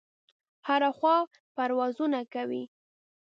هره خوا پروازونه کوي.